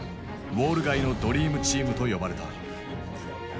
「ウォール街のドリームチーム」と呼ばれた。